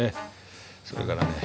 それからね